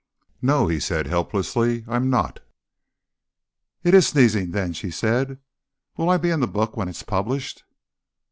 "No," he said helplessly, "I'm not." "It is sneezing, then," she said. "Will I be in the book when it's published?"